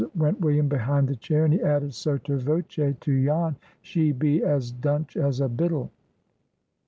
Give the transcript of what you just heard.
went William behind the chair; and he added, sotto voce, to Jan, "She be as dunch as a bittle."